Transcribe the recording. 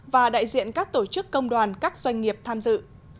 và đại diện các tổ chức công đoàn các doanh nghiệp tham dự